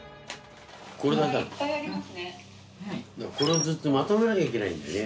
これをずっとまとめなきゃいけないんでね。